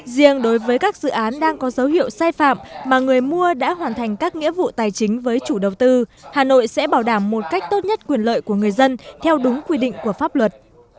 riêng đối với các dự án đang có dấu hiệu sai phạm mà người mua đã hoàn thành các nghĩa vụ tài chính với chủ đầu tư hà nội sẽ bảo đảm một cách tốt nhất quyền lợi của người dân theo đúng quy định của pháp luật